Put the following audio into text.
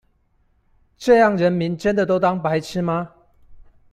這樣人民真的都當白痴嗎？